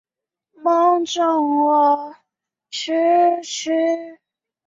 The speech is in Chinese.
单曲因封面上乐队穿着异性服装而著名。